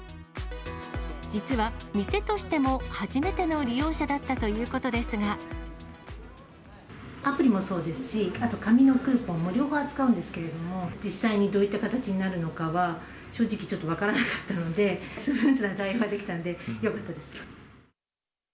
実は、店としても初めての利アプリもそうですし、あと紙のクーポンも、両方扱うんですけれども、実際にどういった形になるのかは、正直ちょっと分からなかったので、スムーズな対応ができたのでよかったです。